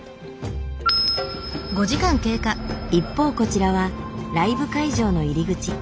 一方こちらはライブ会場の入り口。